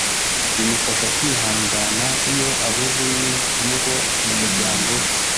bimufasha kwihangana iyo abuze umwe mu bo mu muryango we